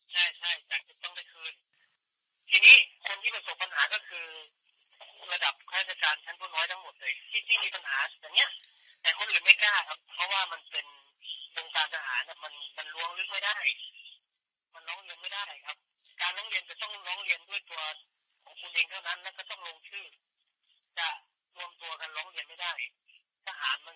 ใช่ใช่จากจะต้องไปคืนทีนี้คนที่ประสบปัญหาก็คือระดับข้าราชการชั้นผู้น้อยทั้งหมดเลยที่ที่มีปัญหาอย่างเงี้ยแต่คนอื่นไม่กล้าครับเพราะว่ามันเป็นวงการทหารอ่ะมันมันล้วงลึกไม่ได้มันร้องเรียนไม่ได้ครับการร้องเรียนจะต้องร้องเรียนด้วยตัวของคุณเองเท่านั้นแล้วก็ต้องลงชื่อจะรวมตัวกันร้องเรียนไม่ได้ทหารมัน